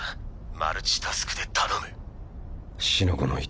マルチタスクで頼む。